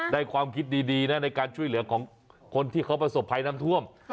ความคิดดีนะในการช่วยเหลือของคนที่เขาประสบภัยน้ำท่วม